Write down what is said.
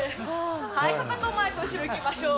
かかとを前と後ろいきましょう。